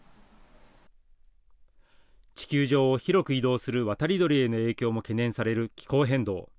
地球上を広く移動する渡り鳥への影響も懸念される気候変動。